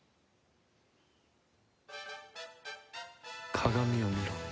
鏡を見ろ